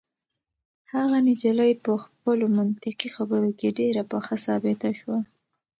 هغه نجلۍ په خپلو منطقي خبرو کې ډېره پخه ثابته شوه.